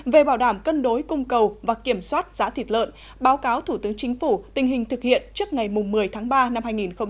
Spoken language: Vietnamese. về bảo đảm cân đối cung cầu và kiểm soát giá thịt lợn báo cáo thủ tướng chính phủ tình hình thực hiện trước ngày một mươi tháng ba năm hai nghìn hai mươi